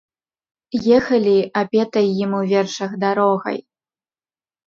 Ехалі апетай ім у вершах дарогай.